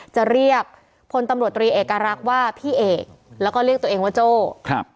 จะเรียกพลตำรวจตรีเอกรักษ์ว่าพี่เอกแล้วก็เรียกตัวเองว่าโจ้ครับ